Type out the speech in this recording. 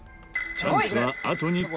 チャンスはあと２回。